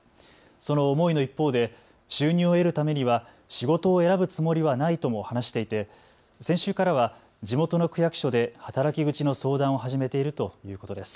その思いの一方で収入を得るためには仕事を選ぶつもりはないとも話していて先週からは地元の区役所で働き口の相談を始めているということです。